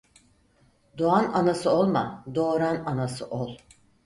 Doğan anası olma, doğuran anası ol.